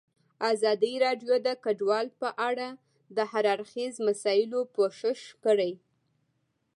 ازادي راډیو د کډوال په اړه د هر اړخیزو مسایلو پوښښ کړی.